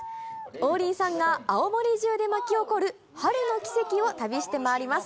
王林さんが青森中で巻き起こる春の奇跡を旅して回ります。